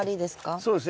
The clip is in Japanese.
そうですね。